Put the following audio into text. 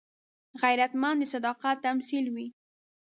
غیرتمند د صداقت تمثیل وي